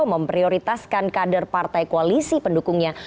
memprioritaskan kader partai koalisi pendukungnya